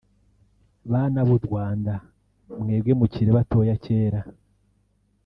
Bana b'u Rwanda mwebwe mukiri batoya kera